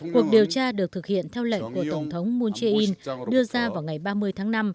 cuộc điều tra được thực hiện theo lệnh của tổng thống moon jae in đưa ra vào ngày ba mươi tháng năm